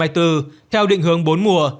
theo định hướng bốn mùa